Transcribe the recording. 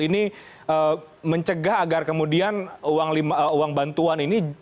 ini mencegah agar kemudian uang bantuan ini